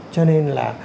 cho nên là